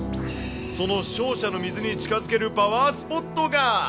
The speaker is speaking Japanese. その勝者の水に近づけるパワースポットが。